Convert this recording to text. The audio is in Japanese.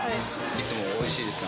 いつもおいしいですね。